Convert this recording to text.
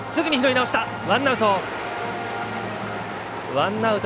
ワンアウト。